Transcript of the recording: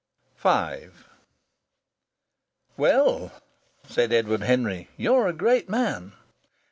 V "Well," said Edward Henry, "you're a great man!"